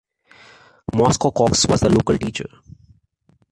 Mosco Cox was the local teacher.